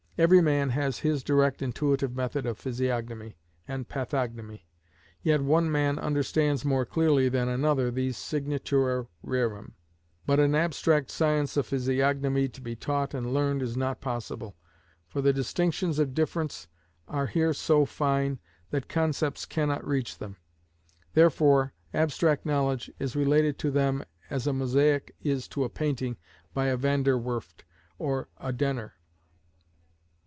Every man has his direct intuitive method of physiognomy and pathognomy, yet one man understands more clearly than another these signatura rerum. But an abstract science of physiognomy to be taught and learned is not possible; for the distinctions of difference are here so fine that concepts cannot reach them; therefore abstract knowledge is related to them as a mosaic is to a painting by a Van der Werft or a Denner.